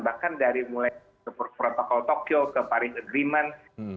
bahkan dari mulai ke protokol tokyo ke paris agreement